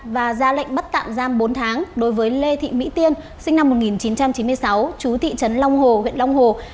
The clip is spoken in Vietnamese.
và ra lệnh bắt tạm giam bốn tháng đối với lê thị mỹ tiên sinh năm một nghìn chín trăm chín mươi sáu chú thị trấn long hồ huyện long hồ